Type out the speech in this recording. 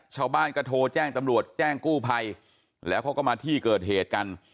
ชาวบ้านก็โทรแจ้งตำรวจแจ้งกู้ภัยแล้วเขาก็มาที่เกิดเหตุกัน